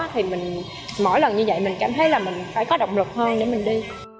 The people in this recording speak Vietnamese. thì mỗi lần như vậy mình cảm thấy là mình phải có động lực hơn để mình đi